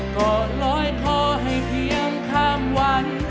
ก็ลอยคอให้เพียงข้ามวัน